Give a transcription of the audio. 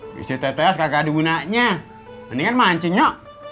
ngisi tts kagak ada gunanya mendingan mancing nyok